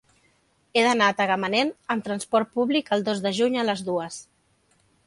He d'anar a Tagamanent amb trasport públic el dos de juny a les dues.